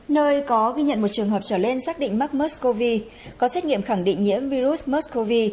nơi có ghi nhận một trường hợp trở lên xác định mắc muscovy có xét nghiệm khẳng định nhiễm virus muscovy